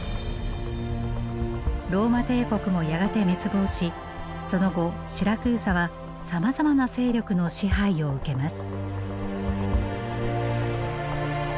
ローマ帝国もやがて滅亡しその後シラクーサはさまざまな勢力の支配を受けます。